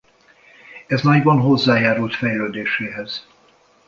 Ez nagyban hozzájárult fejlődéséhez.